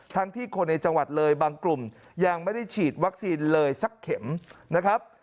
ที่คนในจังหวัดเลยบางกลุ่มยังไม่ได้ฉีดวัคซีนเลยสักเข็มนะครับ